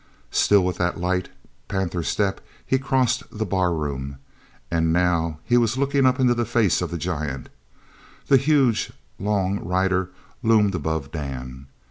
Still with that light, panther step he crossed the barroom, and now he was looking up into the face of the giant. The huge long rider loomed above Dan.